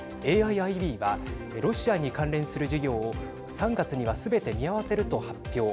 ＡＩＩＢはロシアに関連する事業を３月にはすべて見合わせると発表。